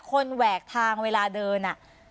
คนแหวกทางเวลาเดิน